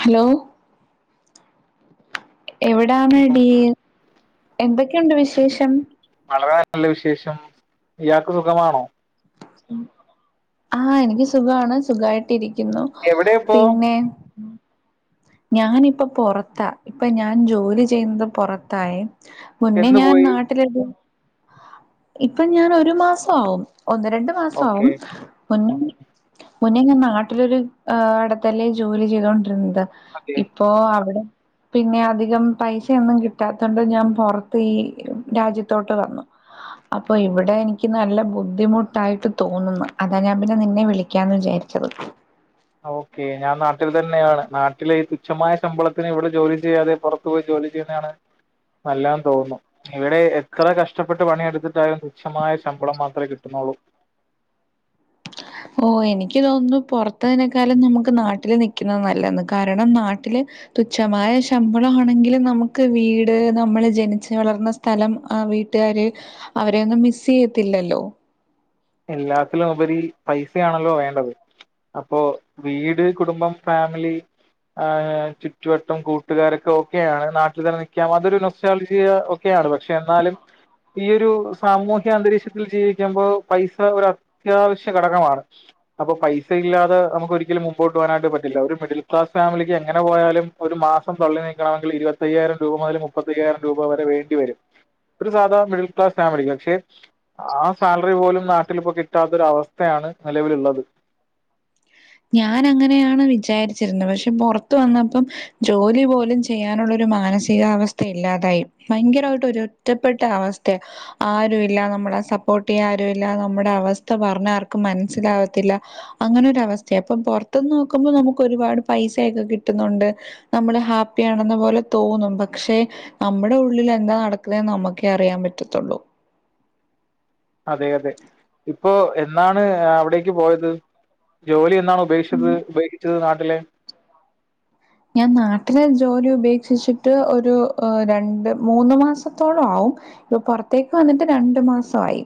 Hello എവിടെന്നെടി എന്തൊക്കെയുണ്ട് വിശേഷം വളരെ നല്ല വിശേഷം ഇയാൾക്ക് സുഖമാണോ ആഹ് എനിക്ക് സുഖമാണ് സുഖായിടിരിക്കുന്നു. എവിടെയാപ്പോ ഏഹ് ഞാനിപ്പൊ പുറത്ത ഇപ്പൊ ഞാൻ ജോലി ചെയ്യുന്നത് പുറത്തായേ മുന്നെ എന്ന് ഞാൻ പോയി നാട്ടിലെ ഇപ്പൊ ഞാൻ ഒരു മാസമാവും ഒന്ന് രണ്ട് മാസമാവും ഓക്കെ മുന്നെ മുന്നേ ഞാൻ നാട്ടിലൊരു ഇടത്തല്ലേ ജോലി ചെയ്തൊണ്ടിരുന്നത്. ഓക്കെ ഇ പോ അവിടെ പിന്നെ അധികം പൈസൊന്നും കിട്ടാത്ത കൊണ്ട് ഞാൻ പുറത്ത് ഈ രാജ്യത്തോട്ട് വന്നു. അപ്പൊ ഇവിടെ എനിക്ക് നല്ല ബുദ്ധിമുട്ടായിട്ട് തോന്നുന്നു അതാണ് ഞാൻ പിന്നെ നിന്നെ വിളിക്കാന്ന് വിചാരിച്ചത്. ഓക്കെ ഞാൻ നാട്ടിൽ തന്നെയാണ് നാട്ടിലെ ഈ തുച്ഛമായ ശമ്പളത്തിന് ഇവിടെ ജോലി ചെയ്യാതെ പുറത്ത പോയി ജോലി ചെയ്യുന്നതാണ് നല്ലന്ന് തോന്നുന്നു. ഇവിടെ എത്ര കഷ്ടപ്പെട്ട് പണിയെടുത്തിട്ടാലും തുച്ഛമായ ശമ്പളം മാത്രമേ കിട്ടുന്നുള്ളൂ. ഓഹ് എനിക്ക് തോന്നുന്നു പുറത്തതിനേക്കാലം നമുക്ക് നാട്ടില് നിക്കുന്നത് നല്ലന്ന് കാരണം നാട്ടില്. തുച്ഛമായ ശമ്പളമാണെങ്കിലും നമുക്ക് വീട് നമ്മള് ജനിച്ചു വളർന്ന സ്ഥ സ്ഥലം ആഹ് വീട്ടുകാര് അവരെയൊന്നും മിസ് ചെയ്യത്തില്ലല്ലോ. എല്ലാത്തിലും ഉപരി പൈസയാണല്ലോ വേണ്ടത്. അപ്പോ വീട്, കുടുംബം, ഫാമിലി. ആഹ് ചുറ്റുവട്ടം കൂട്ടുകാരൊക്കെ ഒക്കെയാണ് നാട്ടിൽ തന്നെ നിക്കാം അതൊരു നൊസളജിയആണ്. ഒക്കെയാണ് പക്ഷെ എന്നാലും ഈ ഒരു സാമൂഹ്യ അന്തരീക്ഷത്തിൽ ജീവിക്കുമ്പോ. പൈസ ഒരു അത്യാവശ്യ ഘടകമാണ്. അപ്പൊ പൈസ ഇല്ലാെമുക്ക് ഒരിക്കലും മുമ്പോട്ട് പോകാനായിട്ട് പറ്റില്ല. ഒരു മിഡിൽ ക്ലാസ് ഫാമിലിക്ക് എങ്ങനെ പോയാലും. ഒരു മാസം തള്ളി നീക്കണമെങ്കിൽ ഇരുപത്തയ്യായിരം രൂപ മുതൽ മുപ്പത്തയ്യായിരം രൂപ വരെ വേണ്ടിവരും. ഒരു സാധാരണ മിഡിൽ ക്ലാസ് ഫാമിലി പക്ഷെ ആഹ് സാലറി പോലും. നാട്ടിലിപ്പോ കിട്ടാത്തൊരു അവസ്ഥയാണ് നിലവിലുള്ളത്. ഞാൻ അങ്ങനെയാണ് വിചാരിച്ചിരുന്നത് പക്ഷെ പുറത്ത വന്നപ്പം ജോലിപോലും ചെയ്യാനുള്ളൊരു മാനസികാവസ്ഥ ഇല്ലാതായി ഭയങ്കരായിട്ട് ഒരു ഒറ്റപ്പെട്ട അവസ്ഥയാ ആരുല്ല നമ്മളെ സപ്പോർട്ടയ്യാൻ ആരു ഇല്ല നമ്മുടെ അവസ്ഥ പറഞ്ഞ ആർക്കും മൻസ്സിലാവത്തില്ല. അങ്ങനെ ഒരു അവസ്ഥയാ അപ്പൊ പൊറത്തന്ന് നോക്കുമ്പോ നമുക്ക് ഒരുപാട് പൈസയൊക്കെ കിട്ടുന്നുണ്ട്. നമ്മള് ഹാപ്പിയണെന്ന പോലെ തോന്നും. പക്ഷെ നമ്മുടെ ഉള്ളിൽ എന്താ നടക്കുന്നേ നമുക്കേ അറിയാൻ പറ്റത്തുള്ളൂ. അതെയതെ ഇപ്പോ എന്നാണ് അവിടേക്ക് പോയത്. ജോലി എന്നാണ് ഉപേക്ഷിത് ഉപേക്ഷിച്ചത് നാട്ടിലെ. ഞാൻ നാട്ടിലെ ജോലി ഉപേക്ഷിച്ചിട്ട് ഒരു രണ്ട് മൂന്ന് മാസത്തോളം ആവും. ഇപ്പൊ പൊറത്തേക്ക് വന്നിട്ട് രണ്ടുമാസവായി.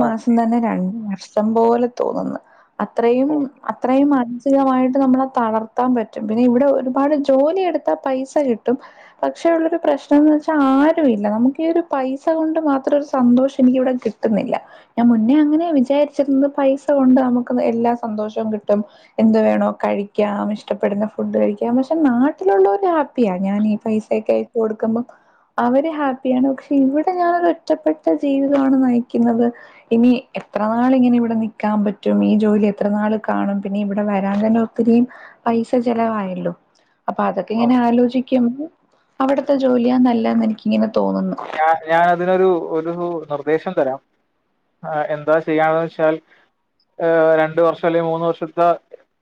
ഓ രണ്ടുവർഷം പോലെ തോന്ന്ന്ന്. അത്രയും ഓ അത്രയും മാനസികമായിട്ട് നമ്മളെ തളർത്താൻ പറ്റും. ഇവിടെ ഒരുപാട് ജോലിയെടുത്താ പൈസ കിട്ടും. പക്ഷേ ഉള്ളൊരു പ്രശ്നം എന്ന് വെച്ചാൽ ആരുല്ല നമുക്ക് ഈ ഒരു പൈസ കൊണ്ട് മാത്രം ഒരു സന്തോഷം എനിക്കിവിടെ കിട്ടു കിട്ടുന്നില്ല ഞാൻ മുന്നേ അങ്ങനെ വിചാരിച്ചിരുന്നത് പൈസ കൊണ്ട് നമുക്ക് എല്ലാ സന്തോഷവും കിട്ടും. എന്തവേണോ കഴിക്കാം ഇഷ്ടപ്പെടുന്ന ഫു ഫുഡ്കഴിക്കാം പക്ഷെ നാട്ടിലുള്ളവര് ഹാപ്പിയാ ഞാൻ ഈ പൈസൊക്കയച്ച്കൊടുക്കുമ്പം. അവര് ഹാപ്പിയാണ് ക്ഷെ ഇവിടെ ഞാനൊരു ഒറ്റപ്പെട്ട ജീവിതമാണ് നയിക്കുന്നത്. ഇനി എത്രനാളിങ്ങനെ ഇവിടെ നിക്കാപറ്റും. ഈ ജോലി എത്ര നാള് കാണും. പിന്നെ ഇവിടെ വരാൻ തന്നെ ഒത്തിരി പൈസ ചെലവായല്ലോ അപ്പൊ അതൊക്കെ ഓ. ഇങ്ങനെ ആലോചിക്കു അവിടുത്തെ ജോലിയാ നല്ലെന്ന് എനിക്കിങ്ങനെ തോന്നുന്നു ഞ ഞാൻ അതിനൊരു ഒരു നിർദ്ദേശം തരാം ആ എന്താ ചെയ്യാന്ന് വെച്ചാൽ ഏഹ് രണ്ടുവർഷം അല്ലെ മൂന്നു വർഷത്തെ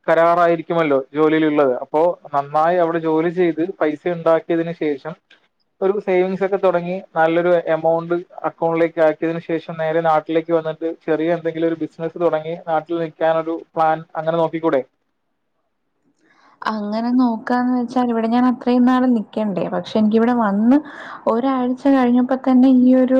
കരാറായിരിക്കുമല്ലോ ജോലിയിലുള്ളത് അപ്പോ നന്നായി അവിടെ ജോലി ചെയ്ത് പൈസയുണ്ടാക്കി ക്കിയതിന് ശേഷം ഒരു സേവിങ്സൊക്കെ തൊടങ്ങി നല്ലൊരു എമൗണ്ട് അക്കൗണ്ടിലേക്ക് ആക്കിയതിന് ശേഷം നേരെ നാട്ടിലേക്ക് വന്നിട്ട് ചെറിയ എന്തെങ്കിലും ഒരു ബിസ് നസ് തൊടങ്ങി നാട്ടിൽ നിൽക്കാനൊരു പ്ലാൻ അങ്ങനെ നോക്കിക്കൂടെ അങ്ങനെ നോക്കാന്ന് വെച്ചാലിവിടെ ഞാൻ അത്രയും നാള് നിക്കണ്ടേ പക്ഷെ എനിക്കിവിടെ വന്ന് ഒരാഴ്ച കഴിഞ്ഞപ്പോതന്നെ ഈ ഒരു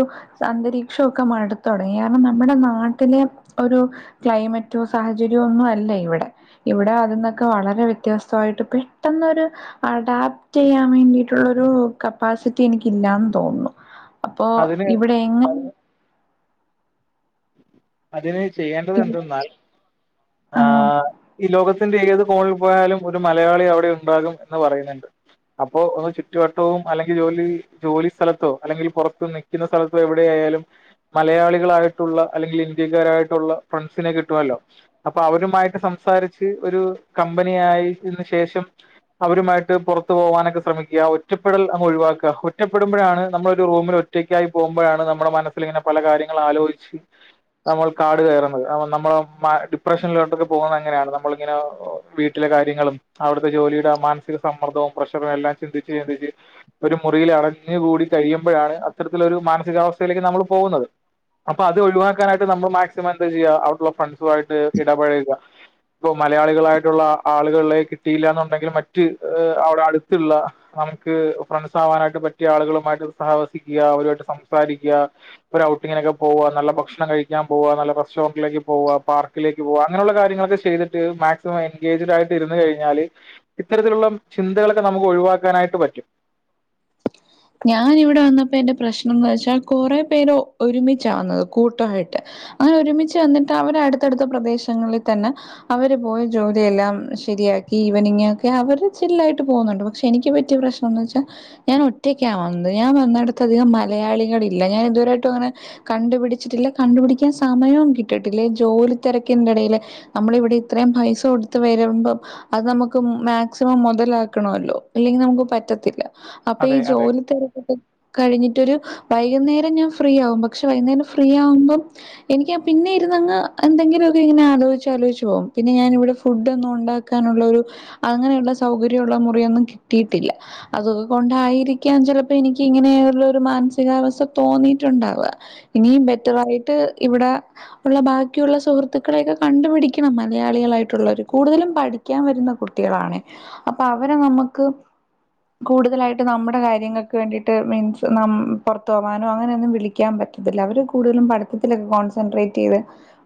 അന്തരീക്ഷക്കെ മടുത്തൊടങ്ങി കാരണം നമ്മടെ നാട്ടിലെ ഒരു ക്ലൈമറ്റോ സാഹചര്യോ ഒന്നും അല്ല ഇവിടെ ഇവിടെ അതിന്നൊക്കെ വളരെ വ്യ വ്യത്യസ്തമായിട്ട് പെട്ടെന്നൊരു അഡാപ്റ്റ്യ്യാൻ വേണ്ടിയിട്ടുള്ളൊരു കപ്പാസിറ്റി എനിക്കില്ലാന്ന് തോന്നുന്നു അപ്പോ അതിന് ഇവിടെ എങ്ങ അതിന് ചെയ്യേണ്ടത് ഇവി എന്തെന്നാൽ ആഹ് ഈ ലോകത്തിന്റെ ഏത് കോണിൽ പോയാലും ഒരു മലയാളി അവിടെ ഉണ്ടാകും എന്ന് പറയന്ന്ണ്ട് അപ്പോ ഒന്നു ചുറ്റുവട്ടവും അല്ലെങ്കിൽ ജോലി ജോലി സ്ഥലത്തോ അല്ലെങ്കിൽ പൊറത്ത് നിക്കുന്ന സ്ഥലത്തോ എവിടെയാലും മലയാളികളായിട്ട് ട്ടുള്ള അല്ലെങ്കി ഇന്ത്യക്കാരായിട്ടുള്ള ഫ്രണ്ട്സിനെ കിട്ടുമല്ലോ അപ്പൊ അവരുമായിട്ട് സംസാരിച്ച് ഒരു കമ്പനയിതിനന് ശേഷം അവരുമായിട്ട് പെറത്തു പോവാനൊക്കെ ശ്രമിക്ക ഒറ്റപ്പെടൽ അങ്ങ് ഒഴിവാക്ക ഒറ്റപ്പെടുമ്പോഴാണ് നമ്മളൊരുറൂമിൽ ഒറ്റക്കായി പോകുമ്പോഴാണ് നമ്മടെ മനസ്സിൽ ഇങ്ങനെ പല കാര്യങ്ങള് ആലോയിച്ച് നമ്മൾ കാട് കേറുന്നത് നമ്മൾ ഡിപ്രഷനിലോട്ടൊക്കെ പോകുന്നത് ഇങ്ങനെയാണ് നമ്മള ഇങ്ങനെ വീട്ടിലെ കാര്യങ്ങളും അവിടുത്തെ ജോലിയുടെ മാനസിക സമ്മർദ്ദവും പ്രഷറും എല്ലാം ചിന്തിച്ച് ചിന്തിച്ച് ഒരു മുറിയിൽ അടഞ്ഞ് കൂടി കഴിയുമ്പോഴാണ് അത്തരത്തിലൊരു മാനസികാവസ്ഥയിലേക്ക് നമ്മള് പോകുന്നത് അപ്പൊ അത് ഒഴിവാക്കാനായിട്ട് നമ്മള് മാക്സിമം എന്താചെയ്യ അവിടുള്ള ഫ്രണ്ട്സു ആയിട്ട് ഇടപഴക ഇപ്പൊ മലയാളികളായിട്ടുള്ള ആളുകളേ കിട്ടിയില്ലാന്നുണ്ടെങ്കിൽ മറ്റ് ഏഹ് അവിട അടുത്തുള്ള നമുക്ക് ഫ്രൺസാവാനായിട്ട് പറ്റിയ ആളുകളുമായിട്ട് സഹവസിക്കിയ അവരുമായിട്ട് സംസാരിക്കിയ ഒരു ഔട്ടിങ്ങിനൊക്കെ പോവ നല്ല ഭക്ഷണം കഴിക്കാൻ പോവ നല്ല റെസ്റ്റോറന്റിലേക്ക് പോവ പാർക്കിലേക്ക് പോവാ അങ്ങനെയുള്ള കാര്യങ്ങളൊക്കെ ചെയ്തിട്ട് മാക് എൻഗേജ്ഡ് ആയിട്ട് ഇരുന്ന് കഴിഞ്ഞാല് ഇത്തരത്തിലുള്ള ചിന്തകളൊക്കെ നമുക്ക് ഒഴിവാക്കാനായിട്ട് പറ്റും ഞാൻ ഇവിടെ വന്നപ്പോ എന്റെ പ്രശ്നം എന്ന് വെച്ചാൽ കൊറെ പേര് ഒരുമിച്ച വന്നത് കൂട്ടവായിട്ട് അങ്ങനെ ഒരുമിച്ച് വന്നിട്ട് അവടെ അടുത്തടുത്ത പ്രദേശങ്ങളിൽ തന്നെ അവര് പോയി ജോലിയെല്ലാം ശരിയാക്കി ഈവനിങ്ങ്ക്കെ അവര് ചില്ലായിട്ട് പോകുന്നുണ്ട് പക്ഷെ എനിക്ക് പറ്റിയ പ്രശ് ന്താന്ന് വച്ചാ ഞാൻ ഒറ്റയ്ക്ക വന്നത് ഞാൻ വന്നിടത്ത് അധികം മലയാളികളില്ല ഞൻ ഇതുവരായിട്ടും അങ്ങനെ കണ്ടുപിടിച്ചിട്ടില്ല കണ്ടുപിടിക്കാൻ സമയവും കിട്ടിട്ടില്ല ഈ ജോലി തെരക്കിന്റെ എടയില് നമ്മള് ഇവിടെ ഇത്രയും പൈസ കൊടുത്ത് വരുമ്പം അത് നമക്ക് മാക്സിമം മെതലാക്കണല്ലോ അല്ലെങ്കിൽ നമക്ക് പറ്റത്തില്ല ഇപ്പ ഈ അതെ അതെ ജോലി തിരക്കൊക്കെ കഴിഞ്ഞിട്ടൊരു വൈകുന്നേരം ഞാൻ ഫ്രീ ആവും പക്ഷെ വൈകുന്നേരം ഫ്രീ ആവുമ്പം എനിക്ക് പിന്നെ ഇരുന്നങ്ങ് എന്തെങ്കിലെക്കെ ഇങ്ങനാലോച്ചിച്ച് ആലോച്ച് പോവും പിന്നെ ഞാനിവിടെ ഫുഡ്ന്നും ഉണ്ടാ ണ്ടാക്കാനുള്ളരു അങ്ങനെ ള്ള സൗകര്യമുള്ള മുറിയെന്നും കിട്ടിട്ടില്ല അതൊക്കെ കൊ ണ്ടായിരിക്കാം ചെലപ്പോ എനിക്ക് ഇങ്ങനെയുള്ള ഒരു മാനസികാവസ്ഥ തോന്നിട്ടുണ്ടാവ്ക ഇനിയും ബെറ്ററായിട്ട് ഇവടെ ഉള്ള ബാക്കിയുള്ള സുഹൃത്തുക്കളെക്കെ കണ്ടുപിടിക്കണം മലയാളികളായിട്ടുള്ളെര് കൂടുതലും പഠി ഠിക്കാൻ വരുന്ന കുട്ടികളാണ് അപ്പൊ അവരെ നമ്മക്ക് കൂടുതലായി നമ്മടെ കാര്യങ്ങൾക്ക് വേണ്ടിട്ട് മീൻസ് പെറത്ത് പോവാനോ അങ്ങനെന്നും വിളിക്കാൻ പറ്റതില്ല അവര് കൂടുതലും പഠിത്തത്തിലൊക്കെ കോൺസെൻട്രേറ്റ് ചെയ്ത്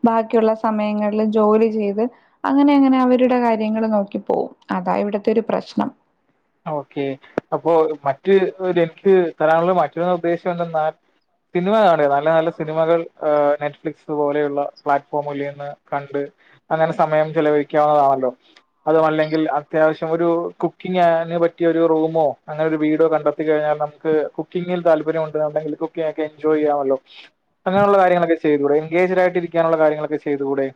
ബാക്കിയുള്ള സമയങ്ങളില് ജോലി ചെയ്ത് അങ്ങനെ അങ്ങനെ അവരുടെ കാര്യങ്ങൾ നോക്കി പോവും അതാ ഇവടത്തെ ഒരു പ്രശ്നം ഓക്കെ അപ്പൊ മറ്റ് എനിക്ക് തരാനുള്ള മറ്റൊരു നിർദ്ദേശം എന്തന്നാൽ സിനിമ കാണ് നല്ല നല്ല സിനിമകൾ നെറ്റ്ഫ്ലിക്സ് പോലെയുള്ള പ്ലാറ്റ്ഫോമിൽ നിന്ന് കണ്ട് അങ്ങനെ സമയം ചെലവഴിക്കാവുന്നതാണല്ലോ അതു അല്ലങ്കിൽ അത്യാവശ്യം ഒരു കുക്കിംങ്ങ് ങ്ങ്ന് പറ്റിയ ഒരു റൂമോ അങ്ങനെ ഒരു വീടോ കണ്ടെത്തി കഴിഞ്ഞാൽ നമക്ക് കുക്കിങ്ങിൽ താല്പര്യം ഉണ്ട് അല്ലങ്കിൽ കുക്ക് ഒക്കെ ക്കെ എജോയ് ചെയ്യാമല്ലൊ അങ്ങനെയുള്ള കാര്യങ്ങളൊക്കെ ചെയ്തൂടെ എൻഗേജ്ഡ് ആയിട്ട് ഇരിക്കാനുള്ള കാര്യങ്ങളെക്കെ ചെയ്തൂടെ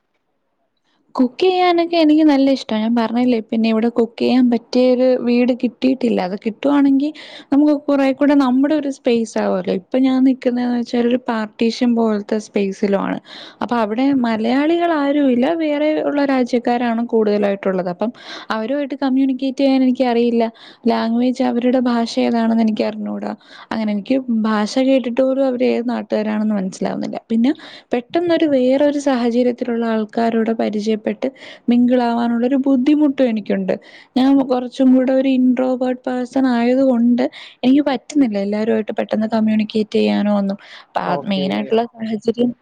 കുക്ക് ചെയ്യാനൊക്കെ എനിക്ക് നല്ല ഇഷ്ട ഞാൻ പറഞ്ഞില്ലേ പിന്നെ ഇവിടെ കുക്ക് ചെയ്യാൻ പറ്റിയരു വീട് കിട്ടി കിട്ടിട്ടില്ല അത് കിട്ടുവാണങ്കിൽ നമുക്ക് കുറേ കൂടെ നമ്മുടെ ഒരു സ്പേയ്സ് ആവുവല്ലോ ഇപ്പൊ ഞാൻ നിക്കുന്നെ വെച്ചാ ഒരു പാർ ട്ടീഷും പോൽത്തെ സ്പേസിലാണ് അപ്പോ അവിടെ മലയാളികൾ ആരുല്ല വേറെ ഉള്ള രാജ്യക്കാരാണ് കൂടുതലായിട്ടുള്ളത് അപ്പം അവരു വായിട്ട് കമ്മ്യൂണിക്കേറ്റ് ചെയ്യാൻ എനിക്കറിയില്ല ലാംഗ്വേജ് അവരുടെ ഭാഷ ഏതാണെന്ന് എനിക്ക് അറിഞ്ഞൂടാ അങ്ങനെ എനിക്ക് ഭാഷ കേട്ടിട്ട് പോലും അവര് ഏത് നാട്ടുകാരാണെന്ന് മനസ്സിലാവുന്നില്ല പിന്ന പെട്ടെന്നൊരു വേറൊരു സാഹചര്യത്തിലുള്ള ആൾക്കാരോട് പരിചയപ്പെട്ട് മിംഗിൾ ആവാനുള്ള ഒരു ബുദ്ധിമുട്ടും എനിക്കുണ്ട് ഞാൻ കൊറച്ചും കൂടെ ഒരു ഇൻറോബോർട്ട് പേഴ്സൺ ആയത് കൊണ്ട് എനിക്ക് പറ്റുന്നില്ല എല്ലാരുവായിട്ട് പെട്ടെന്ന് കമ്മ്യൂണിക്കേറ്റ്യ്യാനോ ഒന്നും പ ഓക്കേ. മെയിനായിട്ടുള്ള സാഹചര്യം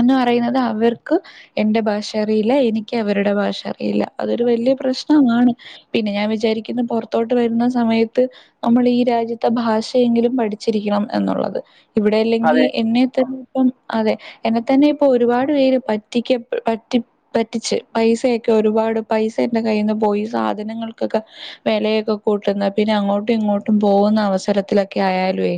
എന്ന് പറയുന്നത് അവർക്ക് എന്റെ ഭാഷ ഇൻക്കറീല എനിക്ക് അവരുടെ ഭാഷ അറിയില്ല അതൊരു വല്ല്യ പ്രശ്നമാണ് പിന്നെ ഞാൻ വിചാരിക്കുന്നു പെറത്തോട്ട് വരുന്ന സമയത്ത് നമ്മളി ഈ രാജ്യത്തെ ഭാഷയെങ്കിലും പഠിച്ചിരിക്കണം എന്നുള്ളത് ഇവിടെ അതെ. അല്ലെങ്കിൽ എന്നെ തന്നെ ഇപ്പം അതെ എന്നെത്തന്നെ ഇപ്പൊ ഒരുപാട് പേര് പറ്റിക്ക പറ്റി റ്റി പറ്റിച്ച് പൈസയൊക്കെ ഒരുപാട് പൈസ എന്റെ കയ്യിൽ നിന്ന് പോയി സാധനങ്ങൾക്കൊക്കെ വിലയൊക്കെ കൂട്ടുന്ന പിന്നെ അങ്ങോട്ടും ഇങ്ങോട്ടും പോകുന്ന അവസരത്തിലൊക്കെ ആയാലേ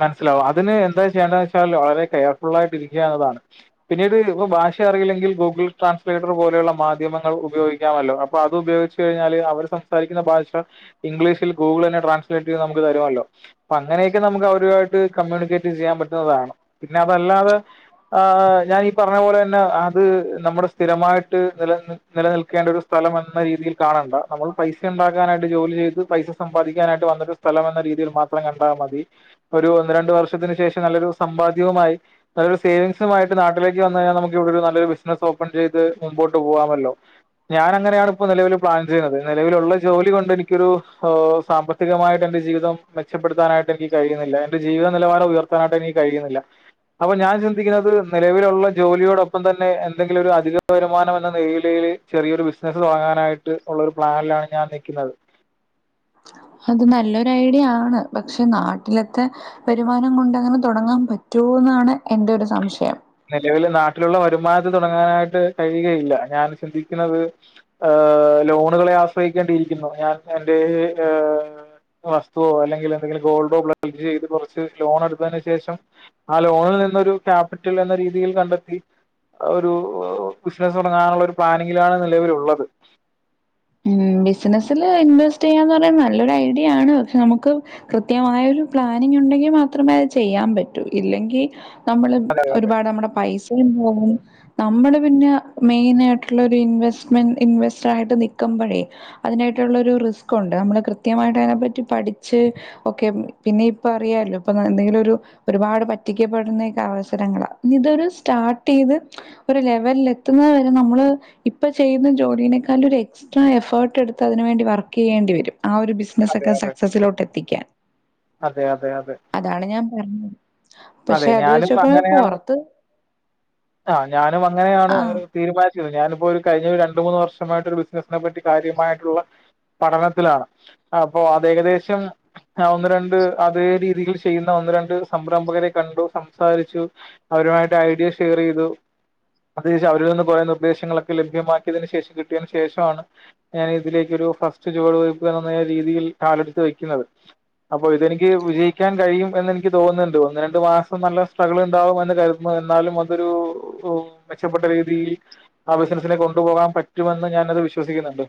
മനസ്സിലാവും അതിന് എന്താ ചെയ്യേണ്ട വെച്ചാൽ വളരെ കെയർഫുളായിട്ട് ഇരിക്കാന്നതാണ് പിന്നീട് ഇപ്പ ഭാഷ അറിയില്ലെങ്കിൽ ഗൂഗിൾ ട്രാൻസ്ലേറ്റർ പോലുള്ള മാധ്യമങ്ങൾ ഉപയോഗിക്കാമല്ലേ അപ്പ അതുപയോഗി ഗിച്ച് കഴിഞ്ഞാല് അവര് സംസാരിക്കുന്ന ഭാഷ ഇംഗ്ലീഷിൽ ഗൂഗിൾ തന്നെ ട്രാൻസ്ലേറ്റ് ചെയ്ത് നമുക്ക് തരുമല്ലോ അപ്പൊ അങ്ങനെയൊക്കെ നമക്ക് അവരുമായിട്ട് കമ്മ്യൂണിക്കേറ്റ് ചെയ്യാൻ പറ്റുന്നതാണ് പിന്നെ അതല്ലാതെ ആഹ് ഞാൻ ഈ പറഞ്ഞ പോലെ തന്നെ അത് നമ്മുടെ സ്ഥിരമായിട്ട് നിലനിന്ന് നിലനിൽക്കേണ്ട ഒരു സ്ഥലം എന്ന രീതിയിൽ കാണണ്ട നമ്മൾ പൈസ ഉണ്ടാക്കാനായിട്ട് ജോലി ചെയ്ത് പൈസ സമ്പാദിക്കാനായിട്ട് വന്നൊരു സ്ഥലം എന്ന രീതിയിൽ മാത്രം കണ്ടാൽ മതി ഒരു ഒന്ന് രണ്ട വർഷത്തിന് ശേഷം നല്ലൊരു സമ്പാദ്യവുമായി നല്ലൊരു സേവിങ്സുമായിട്ട് നാട്ടിലേക്ക് വന്ന് കഴിഞ്ഞാ നമുക്ക് ഇവിടെ നല്ലരു ബിസിനസ് ഓപ്പൺ ചെയ്ത് മുന്നോട്ട് പോകാമല്ലോ ഞാൻ അങ്ങനെയാണ് ഇപ്പോ നിലവിൽ പ്ലാൻ ചെയ്യുന്നത് നിലവിലുള്ള ജോലി കൊണ്ട് എനിക്കൊരു സാമ്പ സാമ്പത്തികമായിട്ട് എന്റെ ജീവിതം മെച്ചപ്പെടുത്താനായിട്ട്നിക്ക് കഴിയുന്നില്ല എന്റെ ജീവിത നിലവാരം ഉയർത്താനായിട്ട് എനിക്ക് കഴിയുന്നില്ല അപ്പൊ ഞാൻ ചിന്തിക്കുന്നത് നിലവിലുള്ള ജോലിയോടൊപ്പം തന്നെ എന്തെങ്കിലും ഒരു അധിക വരുമാനം എന്ന നിലയില് ചെറിയൊരു ബിസിനസ്സ് തുടങ്ങാനായിട്ട് ഉള്ള ഒരു പ്ലാനിലാണ് ഞാൻ നിൽക്കുന്നത് അത് നല്ലൊരു ഐഡിയ ആണ് പക്ഷെ നാട്ടിലത്തെ വരുമാനം കൊണ്ട്ങ്ങനെ തുടങ്ങാൻ പറ്റൊ എന്നാണ് എന്റെ ഒരു സംശയം നിലവിൽ നാട്ടിലുള്ള വരുമാനത്ത് തുടങ്ങാനായിട്ട് കഴിയുകയില്ല ഞാൻ ചിന്തിക്കുന്നത് ഏ ലോണുകളെ ആശ്രയിക്കേണ്ടിയിരിക്കുന്നു ഞാൻ എന്റെ ഏ ഏ വസ്തുവോ അല്ലെങ്കിലെ ന്തെങ്കിലും ഗോൾഡോ [unintelligible] ചെയ്ത് കൊറച്ച് ലോണെടുത്തതിന് ശേഷം ആ ലോണിൽ നിന്നൊരു ക്യാപിറ്റൽ എന്ന രീതിയിൽ കണ്ടെത്തി അഒരു ബിസിനസ് തുടങ്ങാനുള്ള ഒരു പ്ലാനിങ്ങിലാണ് നിലവിലുള്ളത്. ഉം ബിസിനസില് ഇൻവെസ്റ്റെ യ്യാന്ന് പറീന്നല്ലൊരു ഐഡിയാണ് പക്ഷെ നമുക്ക് കൃത്യമായ ഒരു പ്ലാനിങ് ഉണ്ടെങ്കി മാത്രമേ അത് ചെയ്യാമ്പറ്റൂ ഇല്ലെങ്കി നമ്മള് ഒരുപാട് നമ്മുടെ പൈസ് [unintelligible] നമ്മള് പിന്ന മെയിനായിട്ടുള്ളൊരു ഇൻവെസ്റ്റ്മെന്റ് ഇൻവെസ്റ്ററായിട്ട് നി ക്കുമ്പഴേ അതിനായിട്ടുള്ളൊരു റിസ്ക്കുണ്ട് നമ്മള് കൃത്യമായിട്ട തിനെപ്പറ്റി പഠിച്ച് ഓക്കെ പിന്നെ ഇപ്പ അറിയാലോ പ്പൊ ത എന്തെങ്കിലൊരു ഒരുപാട് പറ്റിക്കപ്പെടുന്നക്കെ അവസരങ്ങളാ ഇതൊരു സ്റ്റാർട്ടെയ്ത് ഒരു ലെവല്ലെത്തുന്നത് വരെ നമ്മള് ഇപ്പൊ ചെയ്യുന്ന ജോലീനെക്കാലും ഒരെക്സ് ട്രാ എഫേർട്ട് എടുത്ത് അതിനു വേണ്ടി വർക്കെയ്യേണ്ടി വരും ആ ഒരു ബിസിനസ്സ് അതെ, ഒക്കെ അതെ. സക്സസിലോട്ടെത്തിക്കാൻ. അതെ അതെ അതെ അതാണ് ഞാൻ പറഞ്ഞത് അതെ പക്ഷെ അത് ഞാനും വെച്ച് നോക്കുമ്പോ അങ്ങനെയാണ് പുറത്ത് ആഹ് ഞാനും അങ്ങനെയാണ് ആ ഒരു തീരുമാനിച്ചു ഞാനിപ്പൊരു കഴിഞ്ഞൊരു രണ്ടു മൂന്ന് വർഷമായിട്ടൊരു ബിസിനസ്സിനെ പറ്റി കാര്യമായിട്ടുള്ള പഠനത്തിലാ അപ്പോ അതേകദേശം ആഹ് ഒന്ന് രണ്ട് അതേ രീതിയിൽ ചെയ്യുന്ന ഒന്ന് രണ്ട് സംരംഭകരെ കണ്ടു സംസാരിച്ചു അവരുമായിട്ടൈഡിയ ഷെയറെയ്തു അതിനേഷം അവരിൽ നിന്ന് കുറേ നിർദ്ദേശങ്ങളൊക്കെ ലഭ്യമാക്കിയതിന് ശേഷം കിട്ടിയതിനു ശേഷാണ് ഞാനിതിലേക്കൊരു ഫസ്റ്റ് ചുവടുവയ്പ് എന്ന [unintelligible] രീതിയിൽ കാലെടുത്ത് വയ്ക്കുന്നത് അപ്പൊ ഇതെനിക്ക് വിജയിക്കാൻ കഴിയും എന്നെ നിക്ക് തോന്നുന്നുണ്ട് ഒന്ന് രൺ ണ്ട് മാസം നല്ല സ്ട്രഗ്ള്ണ്ടാവും എന്ന് കരുതുന്നു എന്നാലും അതൊരു ഉം മെച്ചപ്പെട്ട രീതിയിൽ ആ ബിസിനസ്സിനെ കൊണ്ട് പോകാൻ പറ്റുമെന്ന് ഞാനത് വിശ്വസിക്കുന്നുണ്ട്.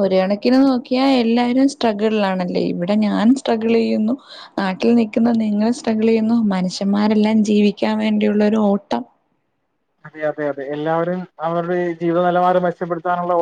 ഒരു കണക്കിന് നോക്കിയാ എല്ലാരും സ്ട്രഗിൾലാണല്ലേ ഇവിടെ ഞാൻ സ്ട്രഗ്ളെയ്യുന്നു നാട്ടിൽ നിൽക്കുന്ന നിങ്ങൾ സ്ട്രഗിൾ ചെയ്യുന്നു മനുഷ്യന്മാരെല്ലാം ജീവിക്കാൻ വേണ്ടിയുള്ള ഒരു ഓട്ടം അതെ അതെ അതെ എല്ലാവരും അവരുടെ ജീവിത നിലവാരം മെച്ചപ്പെടുത്താനുള്ള ഓ